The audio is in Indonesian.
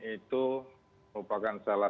itu merupakan salah